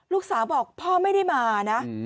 ลูกสาวบอกพ่อไม่ได้มานะ